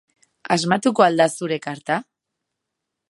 Asmatuko al du zure karta?